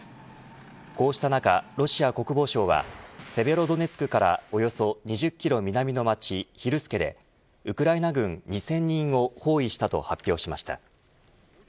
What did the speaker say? こうした中、ロシア国防省はセベロドネツクからおよそ２０キロ南の街ヒルスケでウクライナ軍２０００人を包囲したと発表しました。